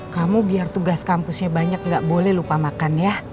kamu biar tugas kampusnya banyak nggak boleh lupa makan ya